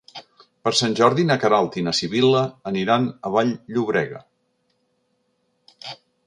Per Sant Jordi na Queralt i na Sibil·la aniran a Vall-llobrega.